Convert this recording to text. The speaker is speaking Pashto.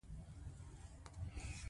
له دې امله ځان سخت مقصر راته ښکاري.